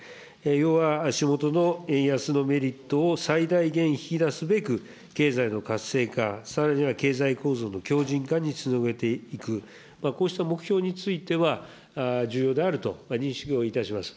要は、仕事の円安のメリットを最大限引き出すべく、経済の活性化、さらには経済構造の強じん化につなげていく、こうした目標については、重要であると認識をいたします。